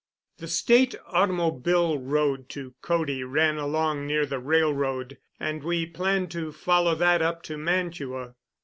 The State automobile road to Cody ran along near the railroad, and we planned to follow that up to Mantua.